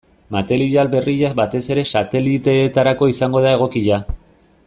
Material berria batez ere sateliteetarako izango da egokia.